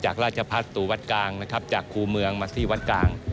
จากราชภาษณ์สู่วัดกลางจากครูเมืองมาที่วัดกลาง